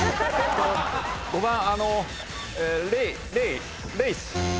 ５番あのレイレイス。